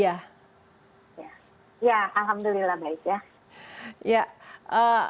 ya alhamdulillah baik ya